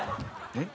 えっ？